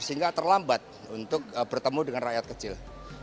sehingga terlambat untuk bertemu dengan rakyat kecil